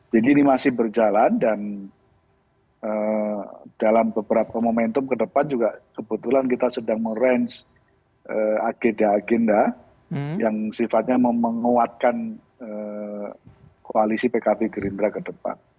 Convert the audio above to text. jadi ini masih berjalan dan dalam beberapa momentum ke depan juga kebetulan kita sedang merange agenda agenda yang sifatnya menguatkan koalisi pkb gerindra ke depan